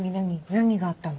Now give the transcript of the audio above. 何があったの？